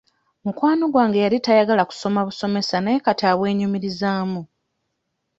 Mukwano gwange yali tayagala kusoma busomesa naye kati abwenyumirizaamu.